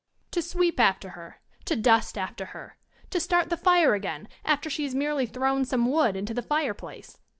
To sweep after her; to dust after her; to start the fire again, after she has merely thrown some wood into the fireplace!